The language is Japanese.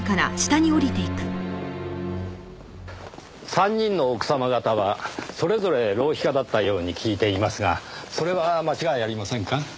３人の奥様方はそれぞれ浪費家だったように聞いていますがそれは間違いありませんか？